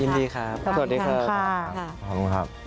ยินดีครับสวัสดีครับ